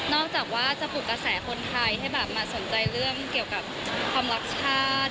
จากว่าจะปลุกกระแสคนไทยให้แบบมาสนใจเรื่องเกี่ยวกับความรักชาติ